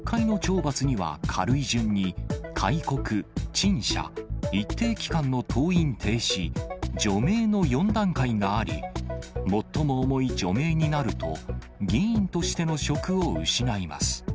国会の懲罰には、軽い順に、戒告、陳謝、一定期間の登院停止、除名の４段階があり、最も重い除名になると、議員としての職を失います。